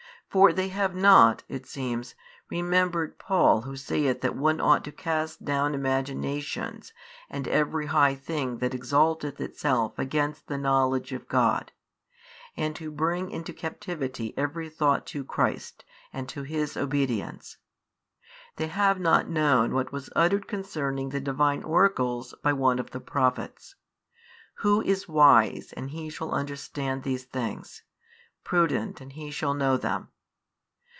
For they have not (it seems) remembered Paul who saith that one ought to cast down imaginations and every high thing that exalteth itself against the knowledge of God and to bring into captivity every thought to Christ and to His obedience: they have not known what was uttered concerning the Divine Oracles by one of the Prophets, Who is wise and he shall understand these things? prudent and he shall know them?